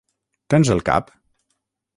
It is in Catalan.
Tens el cap?